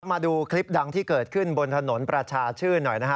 มาดูคลิปดังที่เกิดขึ้นบนถนนประชาชื่นหน่อยนะฮะ